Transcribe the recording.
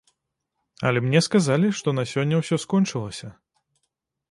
Але мне сказалі, што на сёння ўсё скончылася.